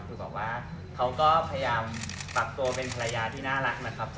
คือแบบว่าเขาก็พยายามปรับตัวเป็นภรรยาที่น่ารักนะครับ